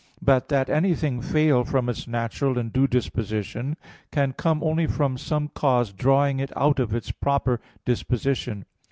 But that anything fail from its natural and due disposition can come only from some cause drawing it out of its proper disposition.